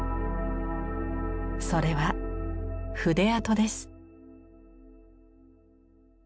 それは筆跡です。